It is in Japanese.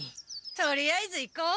とりあえず行こう。